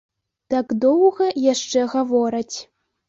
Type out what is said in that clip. Так доўга яшчэ гавораць.